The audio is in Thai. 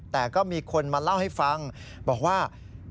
แต่ก็มีคนมาเล่าให้ฟังบอกว่า